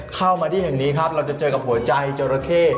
เข้ามาที่แห่งนี้ครับเราจะเจอกับหัวใจจราเข้